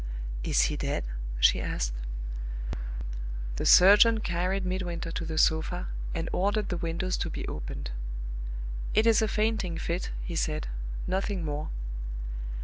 "Is he dead?" she asked. The surgeon carried Midwinter to the sofa, and ordered the windows to be opened. "It is a fainting fit," he said; "nothing more."